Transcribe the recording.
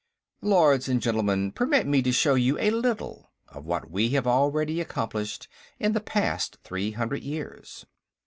"Lords and Gentlemen, permit me to show you a little of what we have already accomplished, in the past three hundred years."